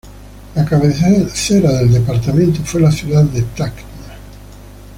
La cabecera del departamento fue la ciudad de Tacna.